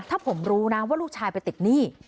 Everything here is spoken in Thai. ถ้าผมรู้นะว่าลูกชายไปติดหนี้